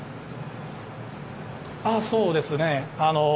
そうですね。